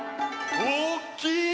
おおきい！